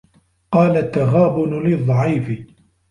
قَالَ التَّغَابُنُ لِلضَّعِيفِ